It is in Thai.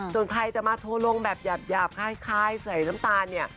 ส่วนใครจะมาโทรลงแบบหยาบคล้ายใส่น้ำตาลเนี่ย